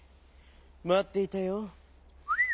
まっていたよ」。